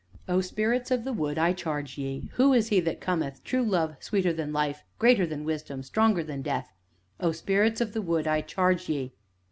"O Spirits of the Wood, I charge ye who is he that counteth True love sweeter than Life greater than Wisdom stronger than Death? O Spirits of the Wood, I charge ye!"